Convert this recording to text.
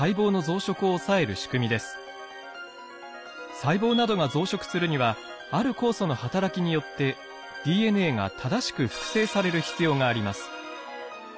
細胞などが増殖するにはある酵素の働きによってＤＮＡが正しく複製される必要があります。